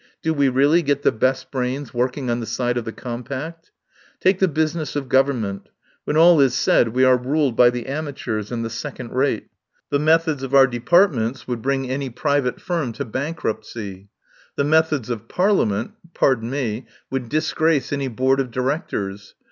"Do we really get the best brains working on the side of the compact? Take the business of Government. When all is said, we are ruled by the amateurs and the second rate. The methods of our de 7* THE POWER HOUSE partments would bring any private firm to bankruptcy. The methods of Parliament — pardon me — would disgrace any board of di rectors.